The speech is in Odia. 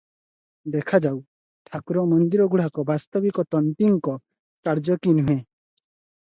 ଦେଖାଯାଉ, ଠାକୁର ମନ୍ଦିରଗୁଡ଼ାକ ବାସ୍ତବିକ ତନ୍ତୀଙ୍କ କାର୍ଯ୍ୟକି ନୁହେଁ ।